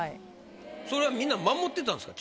それはみんな守ってたんですか？